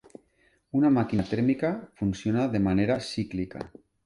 Una màquina tèrmica funciona de manera cíclica.